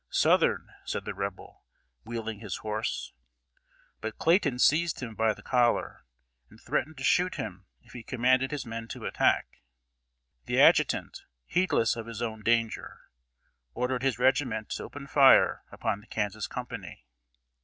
"Southern," said the Rebel, wheeling his horse; but Clayton seized him by the collar, and threatened to shoot him if he commanded his men to attack. The Adjutant, heedless of his own danger, ordered his regiment to open fire upon the Kansas company.